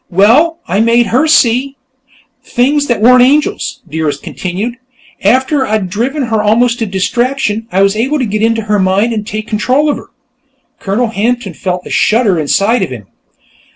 "Well, I made her see ... things that weren't angels," Dearest continued. "After I'd driven her almost to distraction, I was able to get into her mind and take control of her." Colonel Hampton felt a shudder inside of him.